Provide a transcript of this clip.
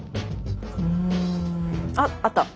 うんあっあった。